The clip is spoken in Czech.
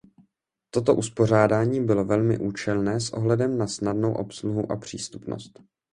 Toto uspořádání bylo velmi účelné s ohledem na snadnou obsluhu a přístupnost.